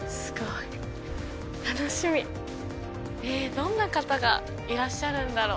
どんな方がいらっしゃるんだろう？